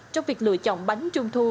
trong việc lựa chọn bánh trung thu